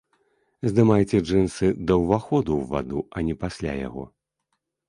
Здымайце джынсы да ўваходу ў ваду, а не пасля яго.